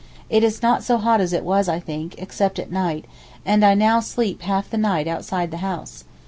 It is not so hot as it was I think, except at night, and I now sleep half the night outside the house.